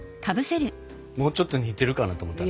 もうちょっと似てるかなと思った。